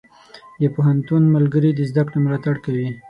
د پوهنتون ملګري د زده کړې ملاتړ کوي.